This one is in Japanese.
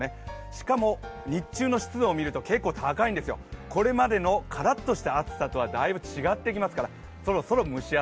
しかも日中の湿度を見ると結構高いんですよ、これまでのカラッとした暑さとはだいぶ違ってきますからそろそろ蒸し暑